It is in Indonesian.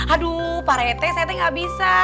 aduh parite sete gak bisa